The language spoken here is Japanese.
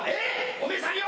おめぇさんよ！